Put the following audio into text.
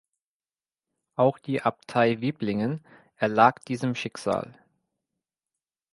Auch die Abtei Wiblingen erlag diesem Schicksal.